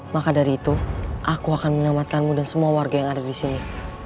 maka dari itu aku akan menyelamatkanmu dan semua warga yang ada di sini